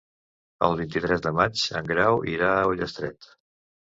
El vint-i-tres de maig en Grau irà a Ullastret.